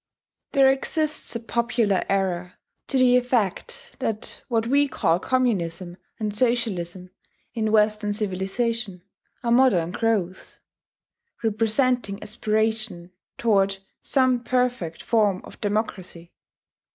There exists a popular error to the effect that what we call communism and socialism in Western civilization are modern growths, representing aspiration toward some perfect form of democracy.